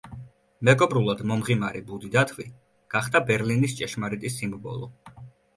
მეგობრულად მომღიმარი ბუდი დათვი გახდა ბერლინის ჭეშმარიტი სიმბოლო.